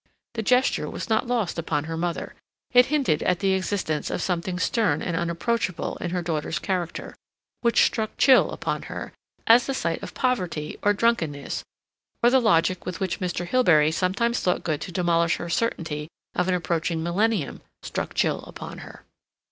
The gesture was not lost upon her mother. It hinted at the existence of something stern and unapproachable in her daughter's character, which struck chill upon her, as the sight of poverty, or drunkenness, or the logic with which Mr. Hilbery sometimes thought good to demolish her certainty of an approaching millennium struck chill upon her.